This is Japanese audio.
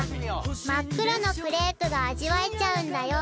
「真っ黒のクレープが味わえちゃうんだよ」